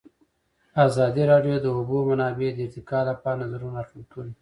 ازادي راډیو د د اوبو منابع د ارتقا لپاره نظرونه راټول کړي.